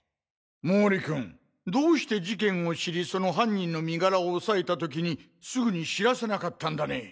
毛利君どうして事件を知りその犯人の身柄を押さえた時にすぐに知らせなかったんだね？